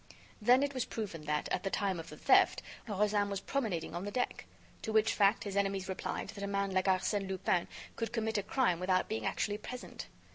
Then it was proven that, at the time of the theft, Rozaine was promenading on the deck. To which fact, his enemies replied that a man like Arsène Lupin could commit a crime without being actually present.